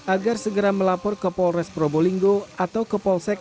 agar segera melapor ke polres probolinggo atau ke polsek